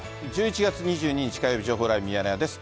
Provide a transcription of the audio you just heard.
１１月２２日火曜日、情報ライブミヤネ屋です。